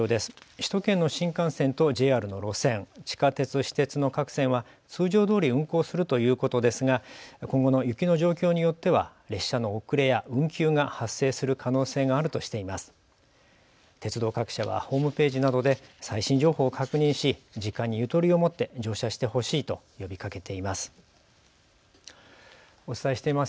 首都圏の新幹線とＪＲの路線地下鉄、私鉄の各線は通常どおり運行するということですが今後の雪の状況によっては列車の遅れや運休が発生する可能性があるとしています。